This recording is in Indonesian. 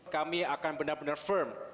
kami akan benar benar firm